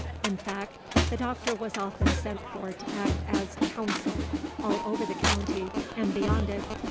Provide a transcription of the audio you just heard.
In fact, the Doctor was often sent for to act as "caounsel," all over the county, and beyond it.